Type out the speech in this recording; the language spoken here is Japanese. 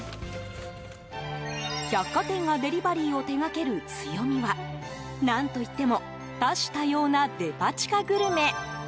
百貨店がデリバリーを手掛ける強みは何といっても多種多様なデパ地下グルメ。